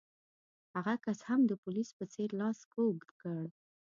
هغه کس هم د پولیس په څېر لاس کوږ کړ.